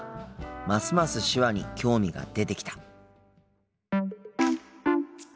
ますます手話に興味が出てきた。